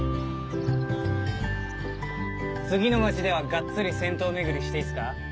次の街ではがっつり銭湯巡りしていいっすか？